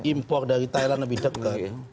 impor dari thailand lebih dekat